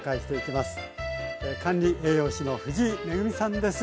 管理栄養士の藤井恵さんです。